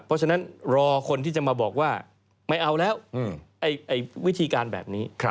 เพราะฉะนั้นรอคนที่จะมาบอกว่าไม่เอาแล้ววิธีการแบบนี้